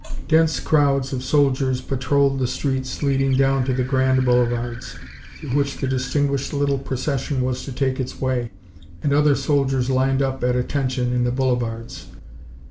Dense crowds of soldiers patrolled the streets leading down to the Grand Boulevards, through which the distinguished little procession was to take its way, and other soldiers lined up at attention in the boulevards.